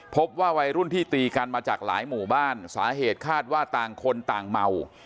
พบว่าวัยรุ่นที่ตีกันมาจากหลายหมู่บ้านสาเหตุคาดว่าต่างคนต่างเมา